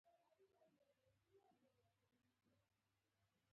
روبوټونه د خوندي چاپېریال د جوړولو برخه دي.